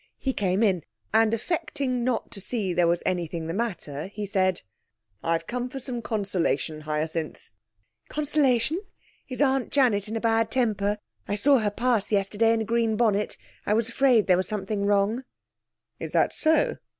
He came in, and affecting not to see there was anything the matter, he said 'I've come for some consolation, Hyacinth,' 'Consolation? Is Aunt Janet in a bad temper? I saw her pass yesterday in a green bonnet. I was afraid there was something wrong.' 'Is that so?